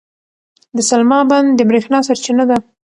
د سلما بند د برېښنا سرچینه ده.